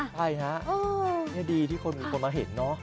ใช่ฮะนี่ดีที่คนมาเห็นน่ะ